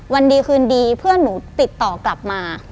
วันดีคืนดีเพื่อนหนูติดต่อกลับมา